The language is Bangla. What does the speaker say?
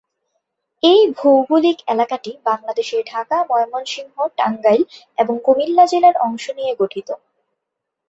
এই ভৌগোলিক এলাকাটি বাংলাদেশের ঢাকা, ময়মনসিংহ, টাঙ্গাইল এবং কুমিল্লা জেলার অংশ নিয়ে গঠিত।